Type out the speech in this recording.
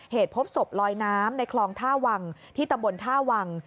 เหตุพบศพลอยน้ำในคลองท่าวังที่ตำบลท่าวัง